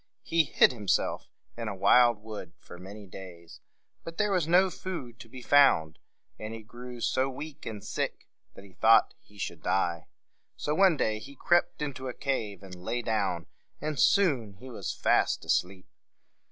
He hid himself in a wild wood for many days; but there was no food to be found, and he grew so weak and sick that he thought he should die. So one day he crept into a cave and lay down, and soon he was fast asleep.